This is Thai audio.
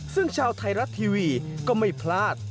ซึ่งชาวไทยรัฐทีวีก็ไม่พลาด